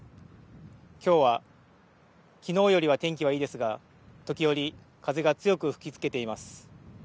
きょうはきのうよりは天気はいいですが時折、風が強く吹きつけています。